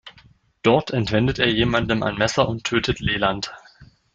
Dort entwendet er jemandem ein Messer und tötet Leland.